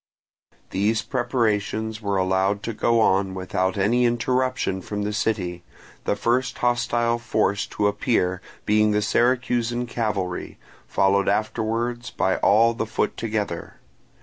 These preparations were allowed to go on without any interruption from the city, the first hostile force to appear being the Syracusan cavalry, followed afterwards by all the foot together.